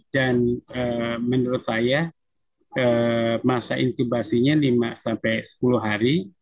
dan menurut saya masa intubasinya lima sepuluh hari